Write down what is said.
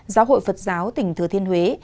giáo hội phật giáo tỉnh thừa thiên huế